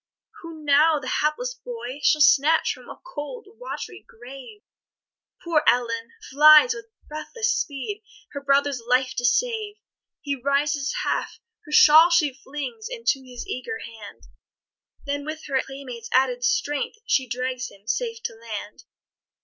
Who now the hapless boy shall snatch From a cold wat'ry grave? Poor Ellen flies, with breathless speed, Her brother's life to save. He rises half her shawl she flings Into his eager hand, Then, with her playmate's added strength, She drags him safe to land.